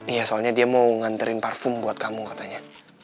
iya soalnya dia mau nganterin parfum buat kamu katanya